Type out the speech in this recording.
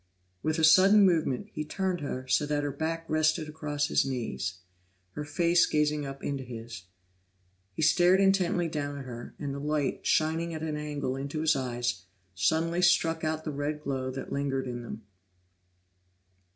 With a sudden movement, he turned her so that her back rested across his knees, her face gazing up into his. He stared intently down at her, and the light, shining at an angle into his eyes, suddenly struck out the red glow that lingered in them.